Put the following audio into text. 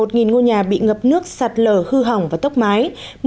một mươi tám một nghìn ngôi nhà bị ngập nước sạt lờ hư hỏng và tốc máy